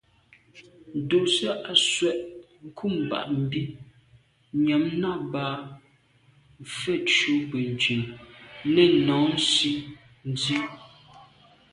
Ndùse à swe’ nkum bag mbi nyam nà à ba mfetnjù Benntùn nèn nô nsi nzi.